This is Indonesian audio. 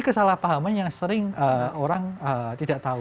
kesalahpahaman yang sering orang tidak tahu